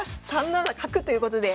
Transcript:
３七角ということで。